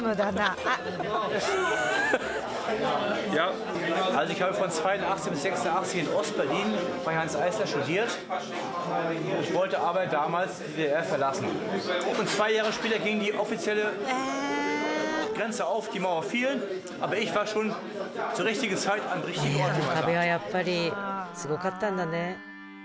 えあの壁はやっぱりすごかったんだね。